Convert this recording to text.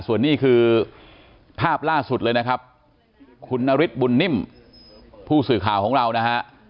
ส่วนนี้คือภาพล่าสุดเลยนะครับคุณนฤทธิบุญนิ่มผู้สื่อข่าวของเรานะฮะ